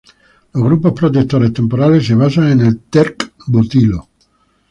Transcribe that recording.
Los grupos protectores temporales se basan en el terc-butilo.